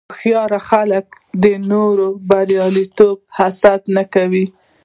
هوښیار خلک د نورو بریاوو ته حسد نه کوي.